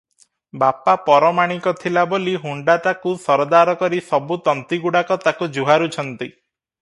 ବାପା ପରମାଣିକ ଥିଲା ବୋଲି ହୁଣ୍ତାଟାକୁ ସରଦାର କରି ସବୁ ତନ୍ତୀଗୁଡ଼ାକ ତାକୁ ଜୁହାରୁଛନ୍ତି ।